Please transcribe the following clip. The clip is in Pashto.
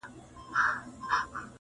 o چي غول خورې کاچوغه تر ملا گرځوه٫